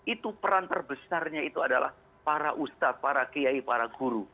itu peran terbesarnya itu adalah para ustadz para kiai para guru